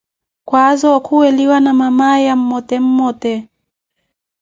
Khaaza okhuweliwa na mamaya, mmote mmote.